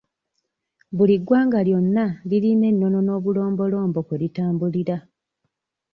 Buli ggwanga lyonna lirirna enono n'obulombolombo kwe litambulira.